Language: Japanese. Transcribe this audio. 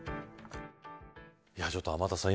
ちょっと天達さん